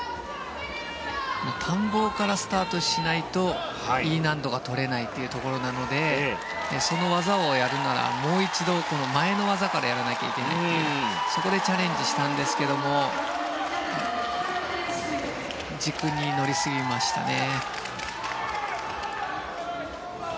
単棒からスタートしないとＥ難度が取れないというところなのでその技をやるならもう一度前の技からやらないといけないというそこでチャレンジしたんですが軸に乗りすぎましたね。